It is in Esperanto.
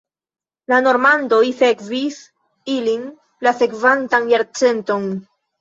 La normandoj sekvis ilin la sekvantan jarcenton.